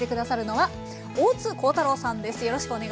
はい。